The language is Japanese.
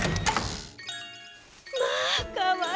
まあかわいい。